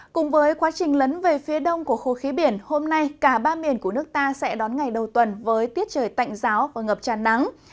cùng với quá trình lấn về phía đông của khối khí biển hôm nay cả ba miền của nước ta sẽ đón ngày đầu tuần với tiết trời tạnh giáo và ngập tràn nắng